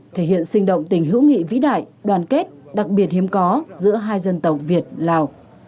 thể hiện sinh động tình hữu nghị vĩ đại đoàn kết đặc biệt hiếm có giữa hai dân tộc việt lào